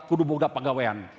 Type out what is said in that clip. kudu boga panggawaian